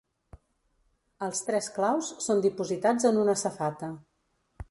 Els tres claus són dipositats en una safata.